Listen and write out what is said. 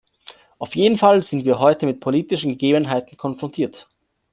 Auf jeden Fall sind wir heute mit politischen Gegebenheiten konfrontiert.